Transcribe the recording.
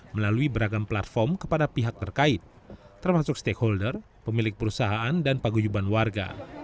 melalui beragam platform kepada pihak terkait termasuk stakeholder pemilik perusahaan dan paguyuban warga